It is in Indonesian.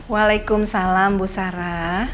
waalaikumsalam bu sara